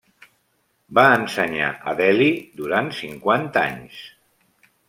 Va ensenyar a Delhi durant cinquanta anys.